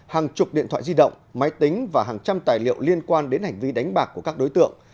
hàng chục điện thoại di động máy tính và hàng trăm tài liệu liên quan đến hành vi đánh bạc của các đối tượng